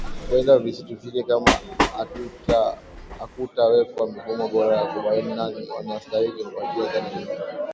Huenda visitufike kama hakutawekwa mifumo bora ya kubaini nani wanastahiki kupatiwa dhana hizo